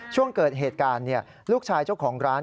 ช่วงเกิดเหตุการณ์ลูกชายเจ้าของร้าน